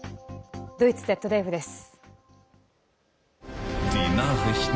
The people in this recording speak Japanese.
ドイツＺＤＦです。